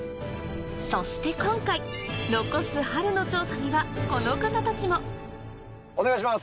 そして今回残すではこの方たちもお願いします。